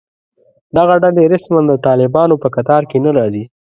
دغه ډلې رسماً د طالبانو په کتار کې نه راځي